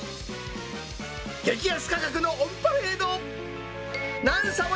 激安価格のオンパレード。